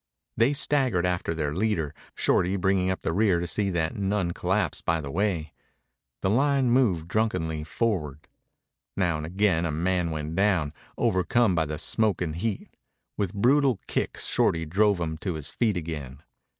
They staggered after their leader, Shorty bringing up the rear to see that none collapsed by the way. The line moved drunkenly forward. Now and again a man went down, overcome by the smoke and heat. With brutal kicks Shorty drove him to his feet again.